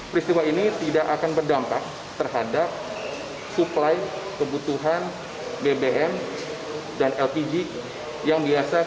peristiwa ini tidak akan berdampak terhadap supply kebutuhan bbm dan lpg yang biasa